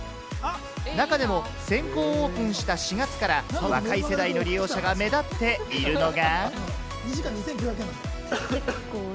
中でも先行オープンした４月から、若い世代の利用者が目立っているのが。